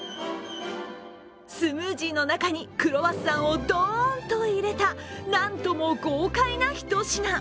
スムージーの中にクロワッサンをドーンと入れた、なんとも豪快なひと品。